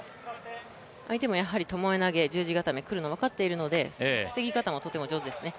相手もともえ投げ、十字固め来るのが分かっているので防ぎ方もとても上手ですね。